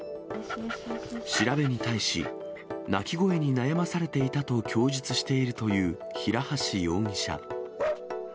調べに対し、鳴き声に悩まされていたと供述しているという平橋容疑者。